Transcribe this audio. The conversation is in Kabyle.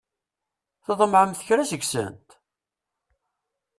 Tḍemɛemt kra seg-sent?